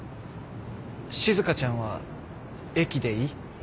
しずかちゃんは駅でいい？